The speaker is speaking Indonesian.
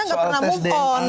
nggak pernah move on